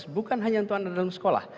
bukan hanya untuk anda dalam sekolah